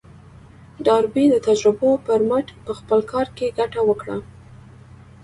ډاربي د تجربو پر مټ په خپل کار کې ګټه وکړه.